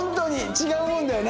違うもんだよな。